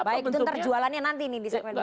baik itu ntar jualannya nanti nih